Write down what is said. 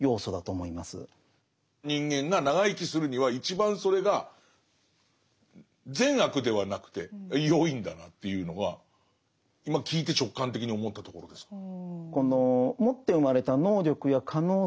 人間が長生きするには一番それが善悪ではなくてよいんだなというのは今聞いて直感的に思ったところですかね。